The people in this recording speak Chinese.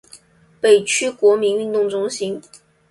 北区国民运动中心